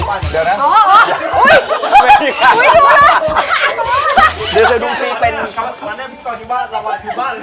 คราวนี้พี่ก่อนอยู่บ้านราวาทอยู่บ้าน